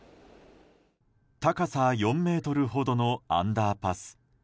高さ４ｍほどのアンダーパス。